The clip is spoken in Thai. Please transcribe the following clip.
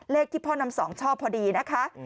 เลขที่พ่อนามสองชอบพอดีนะคะ